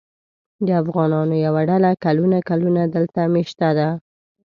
د افغانانو یوه ډله کلونه کلونه دلته مېشته ده.